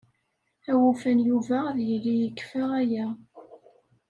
Awufan Yuba ad yili yekfa aya.